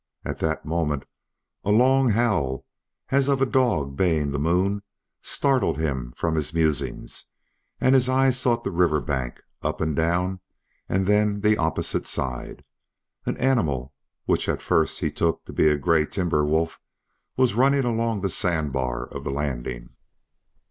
At that moment a long howl, as of a dog baying the moon, startled him from his musings, and his eyes sought the river bank, up and down, and then the opposite side. An animal, which at first he took to be a gray timber wolf, was running along the sand bar of the landing.